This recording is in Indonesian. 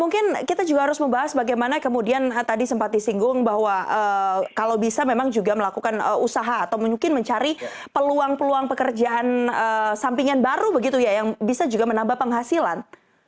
mungkin kita juga harus membahas bagaimana kemudian tadi sempat disinggung bahwa kalau bisa memang juga melakukan usaha atau mungkin mencari peluang peluang pekerjaan sampingan baru begitu ya yang bisa juga menambah penghasilan